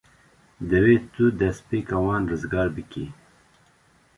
Divê tu destpêkê wan rizgar bikî.